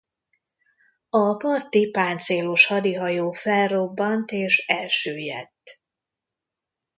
A parti páncélos hadihajó felrobbant és elsüllyedt.